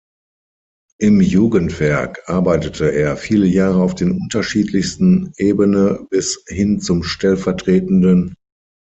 Im Jugendwerk arbeitete er viele Jahre auf den unterschiedlichsten Ebene bis hin zum stellv.